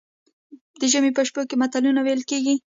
د ژمي په شپو کې متلونه ویل کیږي.